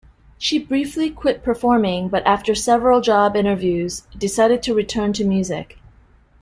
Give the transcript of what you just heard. She briefly quit performing, but after several job interviews decided to return to music.